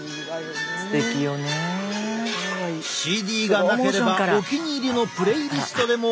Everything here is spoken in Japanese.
ＣＤがなければお気に入りのプレイリストでもＯＫ。